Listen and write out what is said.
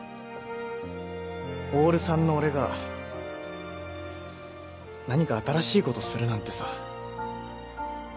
オール３の俺が何か新しいことするなんてさ。